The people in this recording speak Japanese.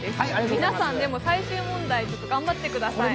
皆さん、最終問題、頑張ってください。